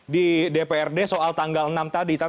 di dprd soal tanggal enam tadi